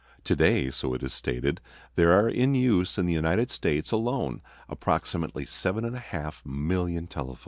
Today, so it is stated, there are in use in the United States alone approximately seven and a half million telephones.